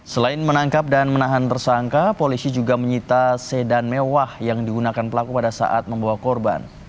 selain menangkap dan menahan tersangka polisi juga menyita sedan mewah yang digunakan pelaku pada saat membawa korban